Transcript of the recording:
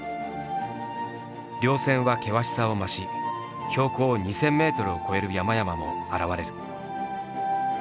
稜線は険しさを増し標高２，０００メートルを超える山々も現れる。